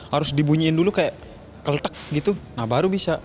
harus dibunyiin dulu kayak keletek gitu nah baru bisa